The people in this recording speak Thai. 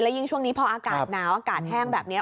ยิ่งช่วงนี้พออากาศหนาวอากาศแห้งแบบนี้